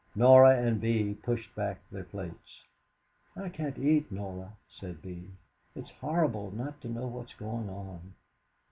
Norah and Bee pushed back their plates. "I can't eat, Norah," said Bee. "It's horrible not to know what's going on."